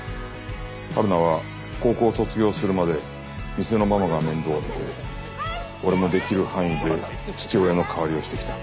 はるなは高校を卒業するまで店のママが面倒を見て俺もできる範囲で父親の代わりをしてきた。